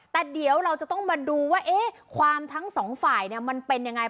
แต่เดี๋ยวเราจะต้องมาดูว่าความทั้งสองฝ่ายมันเป็นยังไง